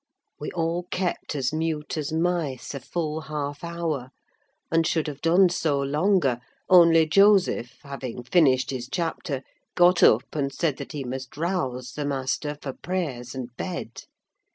We all kept as mute as mice a full half hour, and should have done so longer, only Joseph, having finished his chapter, got up and said that he must rouse the master for prayers and bed.